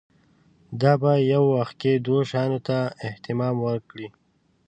دا په یوه وخت کې دوو شیانو ته اهتمام وکړي.